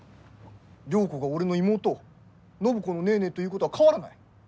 良子が俺の妹暢子のネーネーということは変わらない。